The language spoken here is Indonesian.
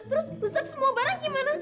terus rusak semua barang gimana